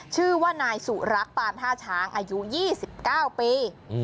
ชื่อว่านายสุรักษ์ปานท่าช้างอายุ๒๙ปี